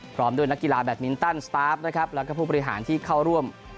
พร้อมด้วยนักกีฬาแบตมินตันสตาร์ฟนะครับแล้วก็ผู้บริหารที่เข้าร่วม